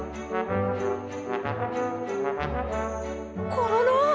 コロロ！